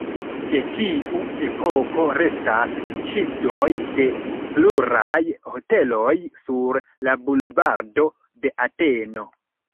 De tiu epoko restas ŝildoj de pluraj hoteloj sur la bulvardo de Ateno.